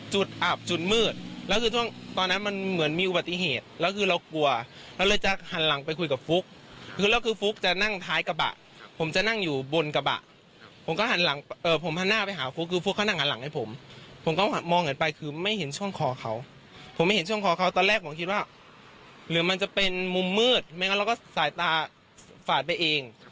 หรือมันจะเป็นมุมมืดไม่งั้นเราก็สายตาฝาดไปเอง